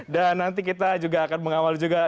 dan nanti kita juga akan mengawal juga